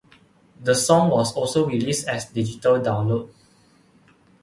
The song was also released as digital download.